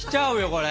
これ。